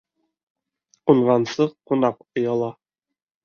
Ҡунғансы ҡунаҡ ояла.